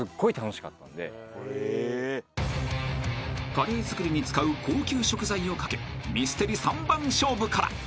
［カレー作りに使う高級食材を懸けミステリ３番勝負から］